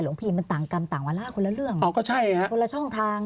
พี่มันต่างกรรมต่างวาล่าคนละเรื่องอ๋อก็ใช่ฮะคนละช่องทาง